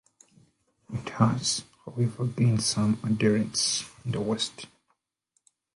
It has, however, gained some adherents in the West.